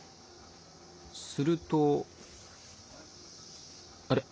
するとあれ？